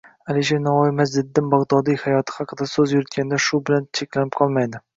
Alisher Navoiy Majdiddin Bagʻdodiy hayoti haqida soʻz yuritganda shu bilan cheklanib qolmaydi